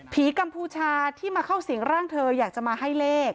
กัมพูชาที่มาเข้าสิ่งร่างเธออยากจะมาให้เลข